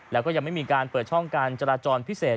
แล้วก็ยังไม่มีการเปิดช่องการจราจรพิเศษ